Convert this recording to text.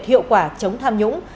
hiệu quả chống tham nhũng